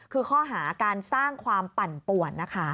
คือข้อหาการสร้างความปั่นป่วนนะคะ